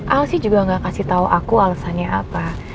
al sih juga gak kasih tau aku alesannya apa